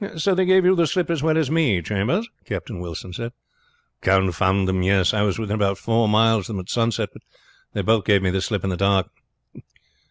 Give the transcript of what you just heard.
"So they gave you the slip as well as me, Chambers?" Captain Wilson said. "Confound them, yes. I was within about four miles of them at sunset, but they both gave me the slip in the dark."